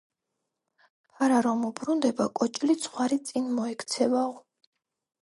ფარა რომ მობრუნდება, კოჭლი ცხვარი წინ მოექცევაო